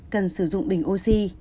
cần sử dụng bình oxy